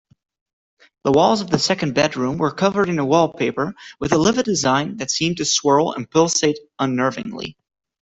The walls of the second bedroom were covered in a wallpaper with a livid design that seemed to swirl and pulsate unnervingly.